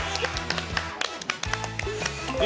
え？